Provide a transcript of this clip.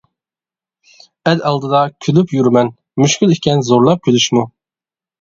ئەل ئالدىدا كۈلۈپ يۈرىمەن، مۈشكۈل ئىكەن زورلاپ كۈلۈشمۇ.